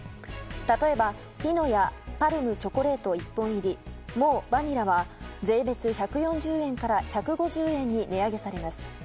例えば、ピノやパルムチョコレート１本入りＭＯＷバニラは税別１４０円から１５０円に値上げされます。